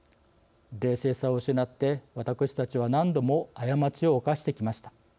冷静さを失って私たちは何度も過ちを犯してきました。